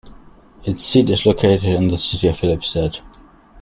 Its seat is located in the city of Filipstad.